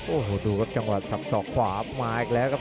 โอ้โหดูกับกังวลศัพท์สอบขวามาอีกแล้วครับ